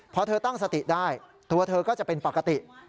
พอเธอตั้งสติได้ตัวเธอก็จะเป็นปกติ